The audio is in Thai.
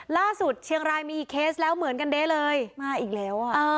ล่าสุดเชียงรายมีอีกเคสแล้วเหมือนกันเด๊ะเลยมาอีกแล้วอ่ะ